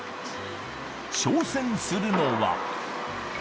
挑戦するのは。